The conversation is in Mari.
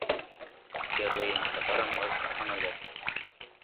Черле еҥ Сакарым ыш ыҥыле.